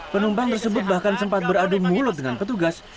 penumpang tersebut bahkan sempat beradu mulut dengan petugas